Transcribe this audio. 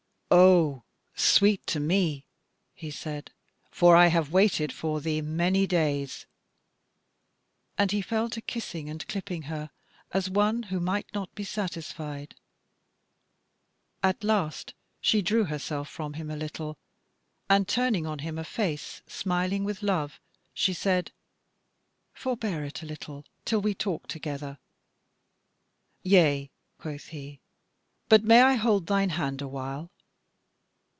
"Oh, sweet to me," he said, "for I have waited for thee many days." And he fell to kissing and clipping her, as one who might not be satisfied. At last she drew herself from him a little, and, turning on him a face smiling with love, she said: "Forbear it a little, till we talk together." "Yea," quoth he, "but may I hold thine hand awhile?"